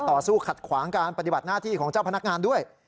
ต่อสู้ขัดขวางการปฏิบัติหน้าที่ของเจ้าพนักงานด้วย